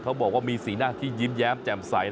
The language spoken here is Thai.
เขาบอกว่ามีสีหน้าที่ยิ้มแย้มแจ่มใส